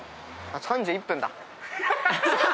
３１分だ。